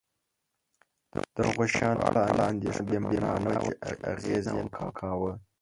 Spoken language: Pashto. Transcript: د هغو شیانو په اړه اندېښنه بې مانا وه چې اغېز یې نه کاوه.